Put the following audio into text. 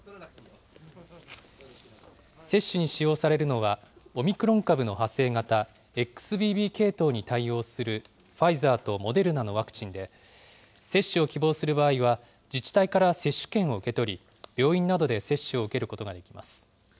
接種に使用されるのは、オミクロン株の派生型、ＸＢＢ系統に対応するファイザーとモデルナのワクチンで、接種を希望する場合は、自治体から接種券を受け取り、病院などで接種を受けることができます。